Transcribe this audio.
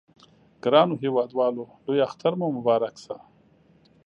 ګرانو هیوادوالو لوی اختر مو مبارک شه!